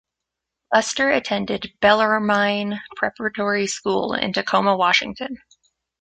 Lester attended Bellarmine Preparatory School in Tacoma, Washington.